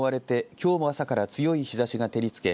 きょうも朝から強い日ざしが照りつけ